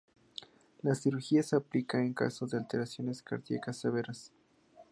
La cirugía se aplica en caso de alteraciones cardiacas severas.